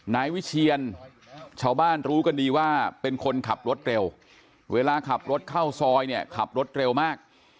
นายวิเชียนชาวบ้านรู้กันดีว่าเป็นคนขับรถเร็วเวลาขับรถเข้าซอยเนี่ยขับรถเร็วมาก